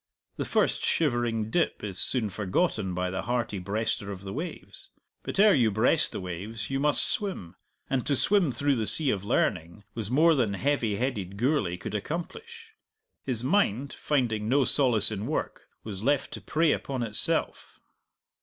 The first shivering dip is soon forgotten by the hearty breaster of the waves. But ere you breast the waves you must swim; and to swim through the sea of learning was more than heavy headed Gourlay could accomplish. His mind, finding no solace in work, was left to prey upon itself.